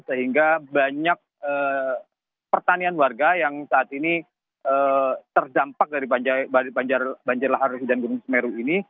sehingga banyak pertanian warga yang saat ini terdampak dari banjir lahar dan gunung semeru ini